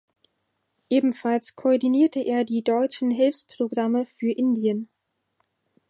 Ebenfalls koordinierte er die deutschen Hilfsprogramme für Indien.